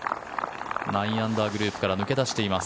９アンダーグループから抜け出しています。